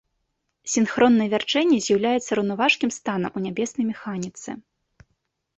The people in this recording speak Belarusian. Сінхроннае вярчэнне з'яўляецца раўнаважкім станам у нябеснай механіцы.